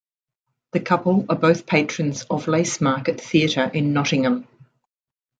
The couple are both patrons of the Lace Market Theatre in Nottingham.